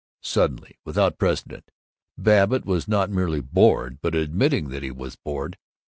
Suddenly, without precedent, Babbitt was not merely bored but admitting that he was bored.